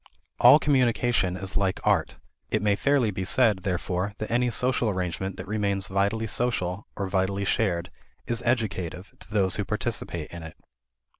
All communication is like art. It may fairly be said, therefore, that any social arrangement that remains vitally social, or vitally shared, is educative to those who participate in it.